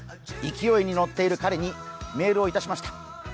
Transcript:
勢いに乗っている彼にメールをいたしました。